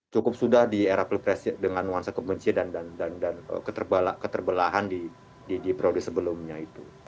cukup sudah di era pilpres dengan nuansa kebencian dan keterbelahan di periode sebelumnya itu